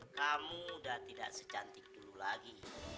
kamu udah tidak secantik dulu lagi